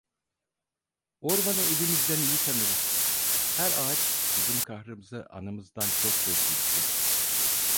Ormanı evimizden iyi tanırız, her ağaç bizim kahrımızı anamızdan çok çekmiştir.